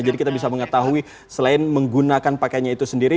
jadi kita bisa mengetahui selain menggunakan pakaiannya itu sendiri